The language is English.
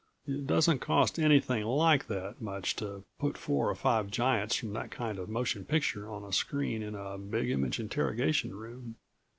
It doesn't cost anything like that much to put four or five giants from that kind of motion picture on a screen in a Big Image interrogation room.